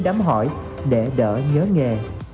đám hỏi để đỡ nhớ nghề